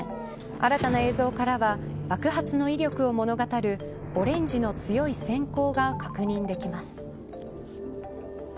新たな映像からは爆発の威力を物語るオレンジの強い閃光が確認できます。